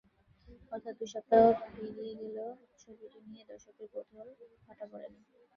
অর্থাৎ দুই সপ্তাহ পেরিয়ে গেলেও ছবিটি নিয়ে দর্শকদের কৌতূহলে ভাটা পড়েনি।